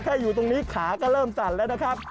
อยู่ตรงนี้ขาก็เริ่มสั่นแล้วนะครับ